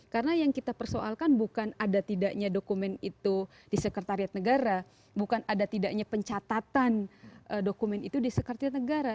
karena yang kita persoalkan bukan ada tidaknya dokumen itu di sekretariat negara bukan ada tidaknya pencatatan dokumen itu di sekretariat negara